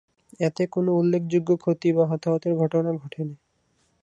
এতে কোনো উল্লেখযোগ্য ক্ষতি বা হতাহতের ঘটনা ঘটে নি।